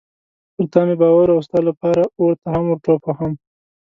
پر تا مې باور و او ستا لپاره اور ته هم ورټوپ وهم.